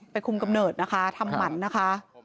คุมกำเนิดนะคะทำหมันนะคะ